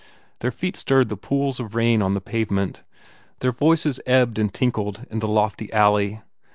Their feet stirred the pools of rain on the pavement. Their voices ebbed and tinkled in the lofty alley.